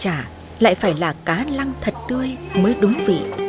cá làm trà lại phải là cá lăng thật tươi mới đúng vị